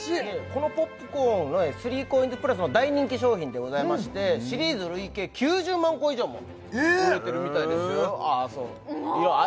このポップコーン３ＣＯＩＮＳ＋ｐｌｕｓの大人気商品でございましてシリーズ累計９０万個以上も売れてるみたいですよああ